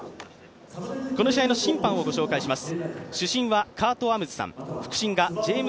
この試合の審判をご紹介します。